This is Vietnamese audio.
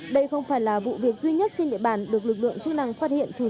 đây không phải là vụ việc duy nhất trên địa bàn được lực lượng chức năng phát hiện